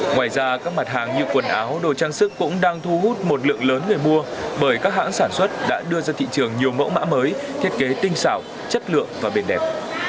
ngoài ra các mặt hàng như quần áo đồ trang sức cũng đang thu hút một lượng lớn người mua bởi các hãng sản xuất đã đưa ra thị trường nhiều mẫu mã mới thiết kế tinh xảo chất lượng và bền đẹp